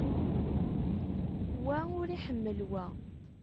Wa ur iḥemmel wa.